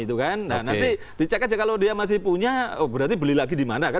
dan nanti dicek aja kalau dia masih punya berarti beli lagi di mana